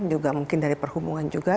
juga mungkin dari perhubungan juga